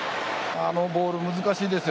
あのボール難しいですよ。